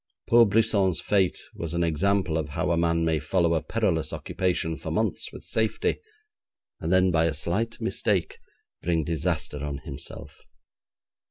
Poor Brisson's fate was an example of how a man may follow a perilous occupation for months with safety, and then by a slight mistake bring disaster on himself.